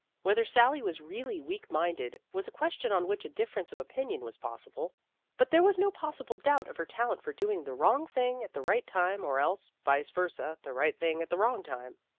Whether Sally was really weak minded was a question on which a difference of opinion was possible, but there was no possible doubt of her talent for doing the wrong thing at the right time or else, vice versa, the right thing at the wrong time.